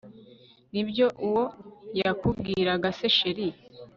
nibyo uwo yakubwiraga se chr